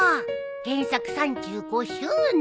「原作３５周年！」